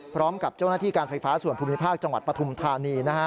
พร้อมกับเจ้าหน้าที่การไฟฟ้าส่วนภูมิภาคจังหวัดปฐุมธานีนะฮะ